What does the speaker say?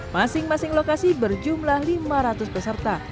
masing masing lokasi berjumlah lima ratus peserta